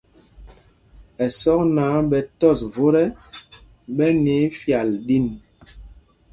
Ɛsɔk náǎ ɓɛ tɔs vot ɛ, ɓɛ nyɛɛ fyal ɗin.